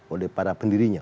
oleh para pendirinya